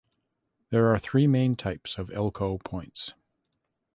There are three main types of Elko points.